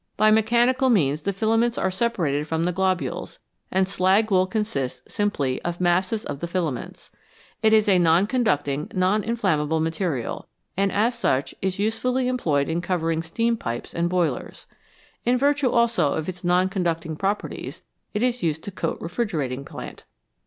By mechanical means the filaments are separated from the globules, and slag wool consists simply of masses of the filaments. It is a non conducting, non inflammable material, and as such is usefully employed in covering steam pipes and boilers. In virtue also of its non conducting pro perties, it is used to coat refrigerating plant.